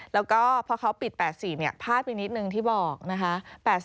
แล้วก็พอเขาปิด๘๔พลาดไปนิดนึงที่บอกนะคะ